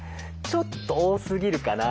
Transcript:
ちょっと多すぎるかな。